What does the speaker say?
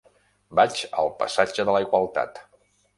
Vaig al passatge de la Igualtat.